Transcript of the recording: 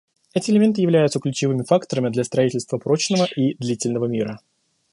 Эти элементы являются ключевыми факторами для строительства прочного и длительного мира.